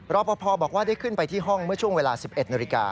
รอปภบอกว่าได้ขึ้นไปที่ห้องเมื่อช่วงเวลา๑๑นาฬิกา